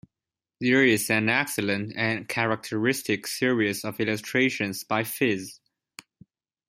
There is an excellent and characteristic series of illustrations by 'Phiz'.